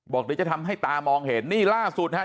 บอกเลยจะทำให้ตามองเห็นนี่ล่าสุดนะครับ